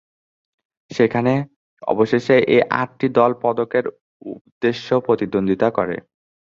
সেখানে অবশেষে এই আটটি দল পদকের উদ্দেশ্যে প্রতিদ্বন্দ্বিতা করে।